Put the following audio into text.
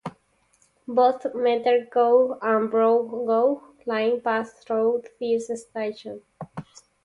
Both Meter gauge and Broad gauge lines pass through this station.